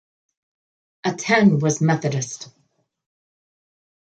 Aten was Methodist.